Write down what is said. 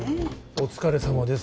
お疲れさまです